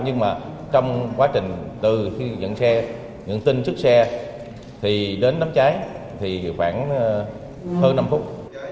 nhưng mà trong quá trình từ khi nhận xe nhận tin trước xe thì đến đám cháy thì khoảng hơn năm phút